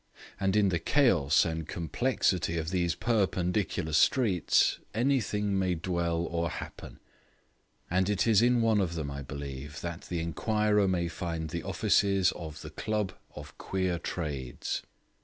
And in the chaos and complexity of those perpendicular streets anything may dwell or happen, and it is in one of them, I believe, that the inquirer may find the offices of the Club of Queer Trades.